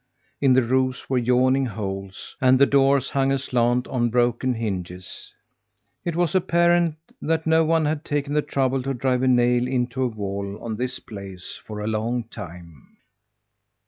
In the roofs were yawning holes, and the doors hung aslant on broken hinges. It was apparent that no one had taken the trouble to drive a nail into a wall on this place for a long time.